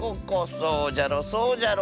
そうじゃろそうじゃろ。